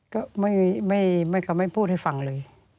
ก็ไม่ก็ไม่พูดให้ฟังเลย